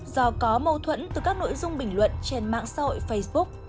do có mâu thuẫn từ các nội dung bình luận trên mạng xã hội facebook